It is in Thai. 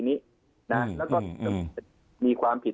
กรณีนี้แล้วก็มีความผิด